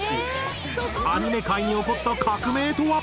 アニメ界に起こった革命とは？